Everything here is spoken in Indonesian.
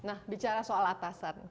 nah bicara soal atasan